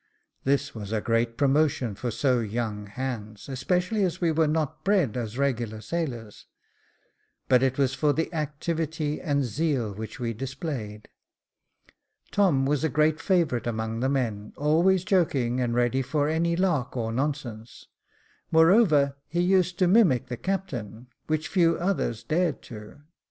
This was great promotion for so young hands, especially as we were not bred as regular sailors ; but it was for the activity and zeal which we displayed. Tom was a great favourite among the men, always joking, and ready for any lark or nonsense ; moreover he used to mimic the captain, which few others dared do.